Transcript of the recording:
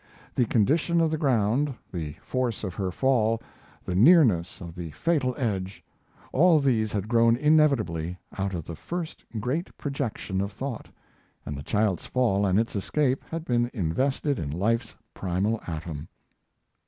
The condition of the ground, the force of her fall, the nearness of the fatal edge, all these had grown inevitably out of the first great projection of thought, and the child's fall and its escape had been invested in life's primal atom.